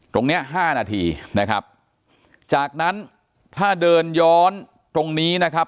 ตรงเนี้ยห้านาทีนะครับจากนั้นถ้าเดินย้อนตรงนี้นะครับ